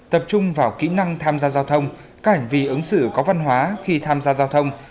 tập trung vào kỹ năng tham gia giao thông các hành vi ứng xử có văn hóa khi tham gia giao thông